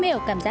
để để để